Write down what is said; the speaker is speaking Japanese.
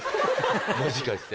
もしかして。